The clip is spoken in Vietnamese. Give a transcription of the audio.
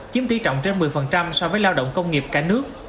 chiếm tỷ trọng trên một mươi so với lao động công nghiệp cả nước